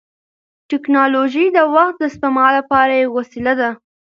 ټیکنالوژي د وخت د سپما لپاره یوه وسیله ده.